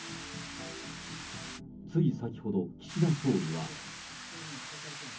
つい先ほど、岸田総理は。